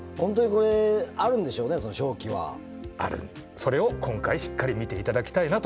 それを今回しっかり見ていただきたいなと思ってます。